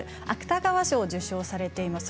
芥川賞を受賞されています。